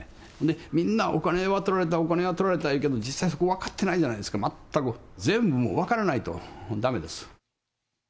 みんなお金は取られた、お金取られた言うけど、実際それ分かってないじゃないですか、全く、全部もう分からないとだめです。